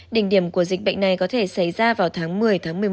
đỉnh điểm của dịch bệnh này có thể xảy ra vào tháng một mươi tháng một mươi một